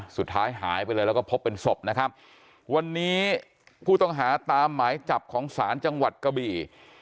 สุดท้ายหายไปเลยแล้วก็พบเป็นศพนะครับวันนี้ผู้ต้องหาตามหมายจับของศาลจังหวัดกะบี่